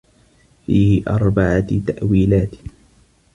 فِيهِ أَرْبَعَةِ تَأْوِيلَاتٍ